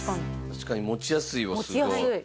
確かに持ちやすいわすごい。